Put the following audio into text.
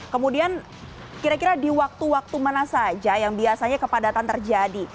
kemudian kira kira di waktu waktu mana saja yang biasanya kepadatan terjadi